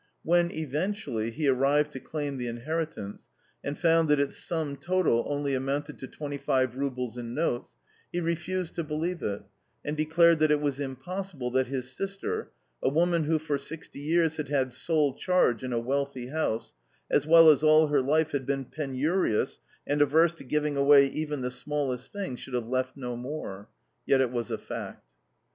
When, eventually, he arrived to claim the inheritance, and found that its sum total only amounted to twenty five roubles in notes, he refused to believe it, and declared that it was impossible that his sister a woman who for sixty years had had sole charge in a wealthy house, as well as all her life had been penurious and averse to giving away even the smallest thing should have left no more: yet it was a fact.